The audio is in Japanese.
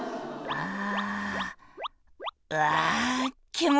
ああ！